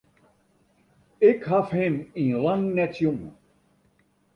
Ik haw him yn lang net sjoen.